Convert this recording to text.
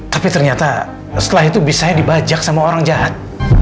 tapi ternyata setelah itu bisa saya dibajak sama orang jahat